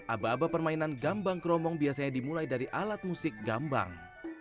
aba aba permainan gambang kromong biasanya dimulai dari alat musik gambang